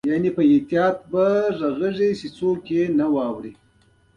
ستا د خوښې رنګ څه دی؟